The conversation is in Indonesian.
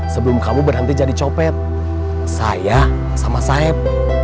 sebelum kamu berhenti jadi copet saya sama saib